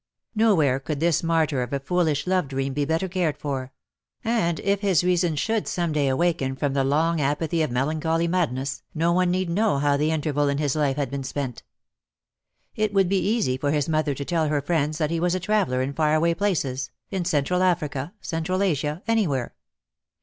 Nowhere could this martyr of a foolish love dream be better cared for; and if his reason should some day awaken from the long apathy of melancholy mad ness, no one need know how the interval in his life had been spent. It would be easy for his mother to tell her friends that he was a traveller in far away places, in Central Africa, Central Asia, anywhere.